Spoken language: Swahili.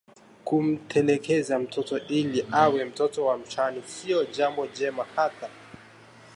Kumtelekeza mtoto ili awe mtoto wa mtaani sio jambo jema hata